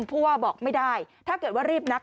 ผู้ว่าบอกไม่ได้ถ้าเกิดว่ารีบนับ